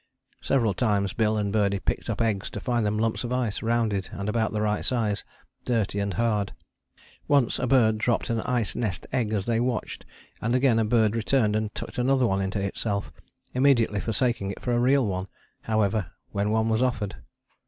Several times Bill and Birdie picked up eggs to find them lumps of ice, rounded and about the right size, dirty and hard. Once a bird dropped an ice nest egg as they watched, and again a bird returned and tucked another into itself, immediately forsaking it for a real one, however, when one was offered.